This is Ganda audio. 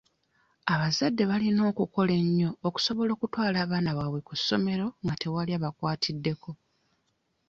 Abazadde balina okukola ennyo okusobola okutwala abaana baabwe ku ssomero nga tewali abakwatiddeko.